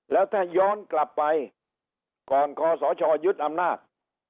แล้วถ้าย้อนกลับไปก่อนคอสชยึดอำนาจ